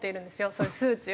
そういう数値を。